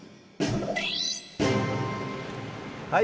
はい。